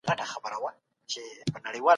ميرويس خان نيکه د سوداګرۍ په برخه کي څه کار کاوه؟